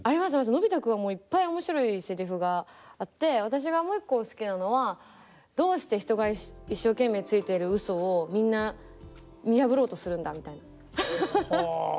のび太君はいっぱい面白いセリフがあって私がもう一個好きなのはどうして人が一生懸命ついているうそをみんな見破ろうとするんだみたいな。